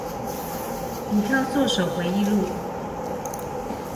股票作手回憶錄